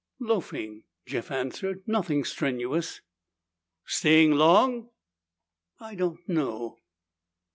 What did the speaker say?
"Loafing," Jeff answered. "Nothing strenuous." "Staying long?" "I don't know."